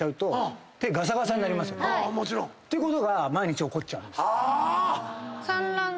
てことが毎日起こっちゃうんです。